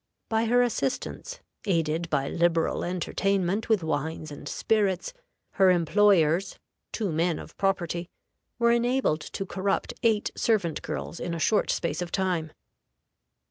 By her assistance, aided by liberal entertainment with wines and spirits, her employers (two men of property) were enabled to corrupt eight servant girls in a short space of time.